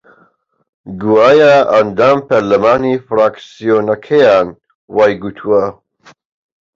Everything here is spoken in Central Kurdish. گوایە ئەندام پەرلەمانی فراکسیۆنەکەیان وای گوتووە